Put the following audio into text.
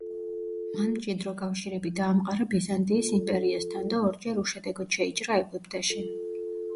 მან მჭიდრო კავშირები დაამყარა ბიზანტიის იმპერიასთან და ორჯერ უშედეგოდ შეიჭრა ეგვიპტეში.